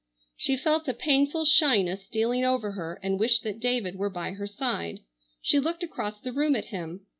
She felt a painful shyness stealing over her and wished that David were by her side. She looked across the room at him.